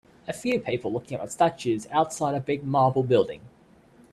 A few people looking up at statues outside a big marble building